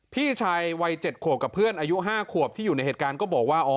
พี่ชายวัย๗ขวบกับเพื่อนอายุ๕ขวบที่อยู่ในเหตุการณ์ก็บอกว่า